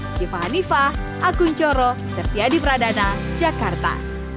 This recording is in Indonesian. syifa hanifah akun choro sertia di pradana jakarta